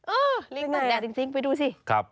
ลิงตากแดดจริงไปดูสิ